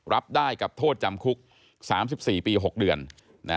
รับได้กับโทษจำคุก๓๔ปี๖เดือน